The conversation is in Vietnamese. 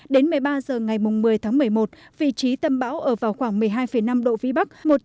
đến một mươi ba h ngày một mươi tháng một mươi một vị trí tâm bão ở vào khoảng một mươi hai năm độ vĩ bắc